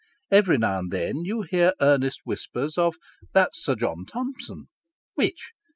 Every now and then you hear earnest whispers of "That's Sir John Thomson." "Which?